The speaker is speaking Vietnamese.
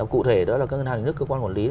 cụ thể đó là các ngân hàng nhà nước cơ quan quản lý